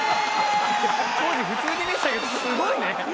「当時普通に見てたけどすごいね」